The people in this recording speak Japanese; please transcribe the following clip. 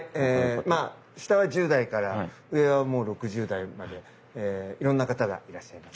まあ下は１０代から上はもう６０代までいろんな方がいらっしゃいます。